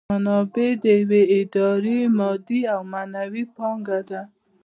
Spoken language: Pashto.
منابع د یوې ادارې مادي او معنوي پانګه ده.